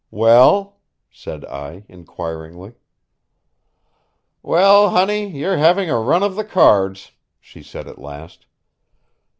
"Well?" said I inquiringly. "Well, honey, you're having a run of the cards," she said at last.